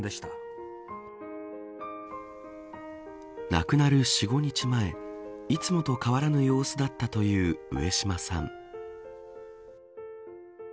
亡くなる４、５日前いつもと変わらぬ様子だったという上島さん。